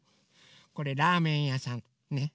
これラーメンやさんね！